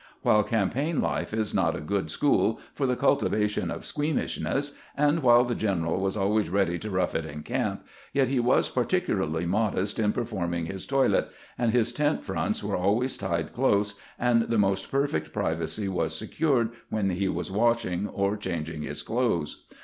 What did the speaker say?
While campaign life is not a good school for the cultivation of squeamishness, and while the general was always ready to rough it in camp, yet he was particularly modest in performing his toilet, and his tent fronts were always tied close, and the most perfect privacy was secured, when he was washing, or changing his clothes.